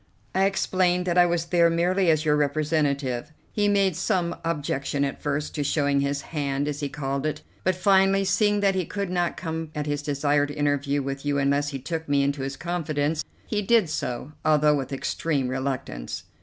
"I explained that I was there merely as your representative. He made some objection at first to showing his hand, as he called it; but finally, seeing that he could not come at his desired interview with you unless he took me into his confidence, he did so, although with extreme reluctance."